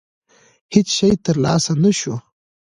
هېڅ شی ترلاسه نه شو.